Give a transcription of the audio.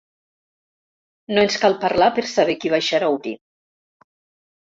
No ens cal parlar per saber qui baixarà a obrir.